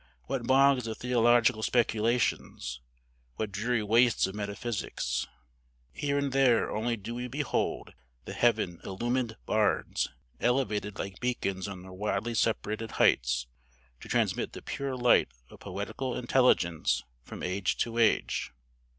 What bogs of theological speculations! What dreary wastes of metaphysics! Here and there only do we behold the heaven illumined bards, elevated like beacons on their widely separated heights, to transmit the pure light of poetical intelligence from age to age."